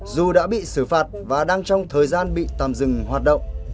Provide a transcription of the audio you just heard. dù đã bị xử phạt và đang trong thời gian bị tạm dừng hoạt động